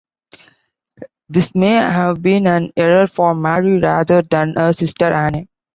This may have been an error for Mary, rather than her sister Anne.